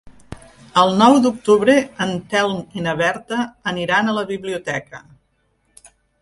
El nou d'octubre en Telm i na Berta aniran a la biblioteca.